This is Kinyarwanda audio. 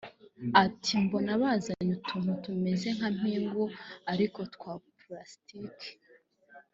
Ati “Mbona bazanye utuntu tumeze nk’amapingu ariko twa pulasitike